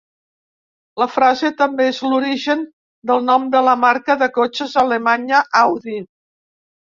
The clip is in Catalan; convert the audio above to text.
La frase també és l'origen del nom de la marca de cotxes alemanya Audi.